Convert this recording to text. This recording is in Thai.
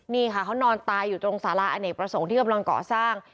นี่ค่ะเขานอนตายอยู่ตรงสาราอเนกประสงค์ที่กำลังก่อสร้าง